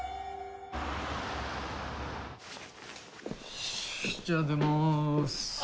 よしじゃあ出ます。